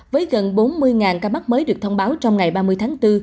với gần bốn mươi ca mắc mới được thông báo trong ngày ba mươi tháng bốn